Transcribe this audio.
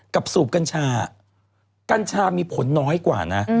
สูบกัญชากัญชามีผลน้อยกว่านะ